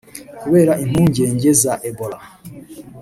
kubera impungenge za Ebola